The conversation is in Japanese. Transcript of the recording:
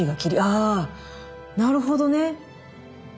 あなるほどね。